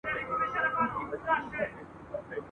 چرګه زما ده او هګۍ د بل کره اچوي ..